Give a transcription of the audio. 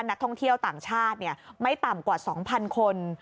นักท่องเที่ยวต่างชาติไม่ต่ำกว่า๒๐๐คน